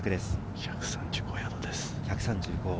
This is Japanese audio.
１３５ヤードです。